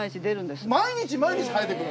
毎日毎日生えてくる？